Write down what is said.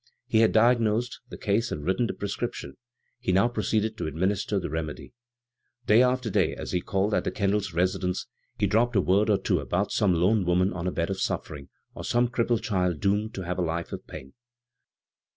He had diag nosed the case and written the prescriptioa ; he now proceeded to administer the remedy. Day by day as he called at the Kendatl resi dence, he dropped a word or two about some lone woman on a bed of suffering, or some crippled child doomed to a life of pain.